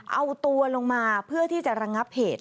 เอาตัวลงมาเพื่อที่จะระงับเหตุ